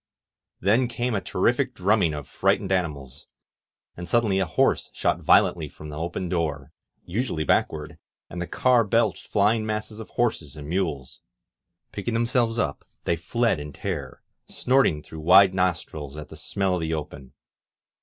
Then came a terrific drumming of frightened animals, and suddenly a horse shot violently from the open door, usually backward, and the car belched flying masses of horses and mules. Picking themselves up, they fled in terror, snorting through wide nostrils at the smell of the open.